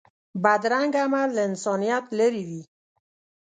بدرنګه عمل له انسانیت لرې وي